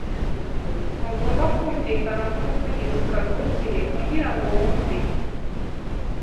Ntugomba kumvikana nkumuvugizi kavukire kugirango wumve.